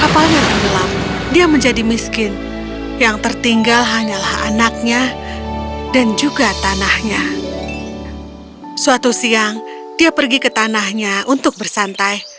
suatu siang dia pergi ke tanahnya untuk bersantai